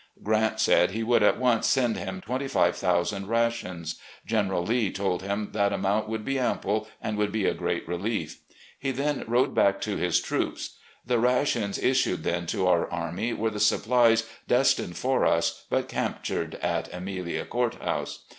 Grant said he would at once send him 25,000 rations. General Lee told him that amount would be ample and would be a great relief. He then rode back to his troops. The rations issued then to our army were the supplies destined for us but captxired at Amelia Cotut House.